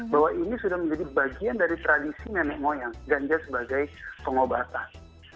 bahwa ini sudah menjadi bagian dari tradisi nenek moyang ganja sebagai pengobatan